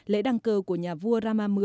lễ đăng cơ của nhà vua rama x